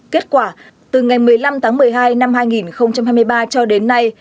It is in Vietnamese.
kết quả từ ngày một mươi năm tháng một mươi hai năm hai nghìn hai mươi ba cho đến nay